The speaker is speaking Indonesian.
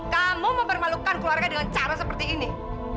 kamu mempermalukan keluarga dengan cara seperti ini